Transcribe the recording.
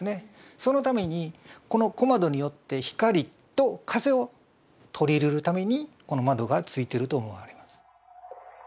そのためにこの小窓によって光と風を取り入れるためにこの窓が付いてると思われます。